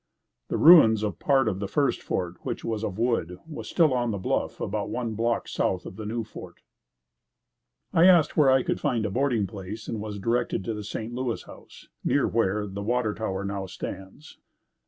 The ruins of part of the first fort which was of wood, were still on the bluff about one block south of the new fort. I asked where I could find a boarding place, and was directed to the St. Louis house, near where the water tower now stands.